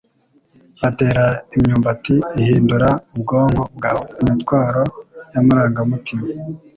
Batera imyumbati ihindura ubwonko bwawe imitwaro y amarangamutima.